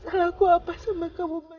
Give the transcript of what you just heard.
salahku apa sama kamu mas